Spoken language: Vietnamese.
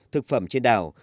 thực phẩm trên đảo